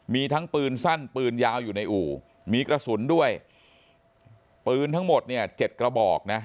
มีทั้งปืนสั้นปืนยาวอยู่ในอู่มีกระสุนด้วยปืนทั้งหมดเนี่ยเจ็ดกระบอกนะ